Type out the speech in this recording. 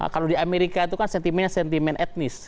kalau di amerika itu kan sentimennya sentimen etnis